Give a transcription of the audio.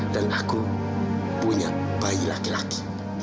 dan aku punya bayi laki laki